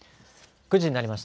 ９時になりました。